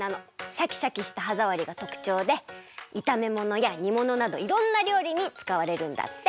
シャキシャキしたはざわりがとくちょうでいためものやにものなどいろんなりょうりにつかわれるんだって。